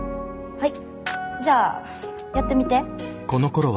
はい。